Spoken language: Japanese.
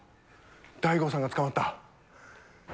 大悟さんが捕まった。